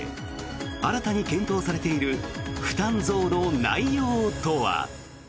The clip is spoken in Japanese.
新たに検討されている負担増の内容とは。